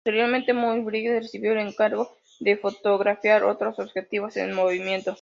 Posteriormente, Muybridge recibió el encargo de fotografiar otros objetos en movimiento.